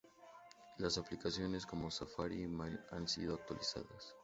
Las aplicaciones como Safari y Mail han sido actualizadas.